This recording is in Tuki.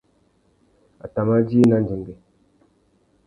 A tà mà djï nà ndzengüê.